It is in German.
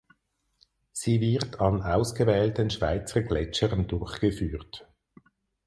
Sie wird an ausgewählten Schweizer Gletschern durchgeführt.